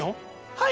はい。